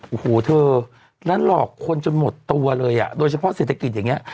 โอ้โหเธอแล้วหลอกคนจนหมดตัวเลยอ่ะโดยเฉพาะเศรษฐกิจอย่างนี้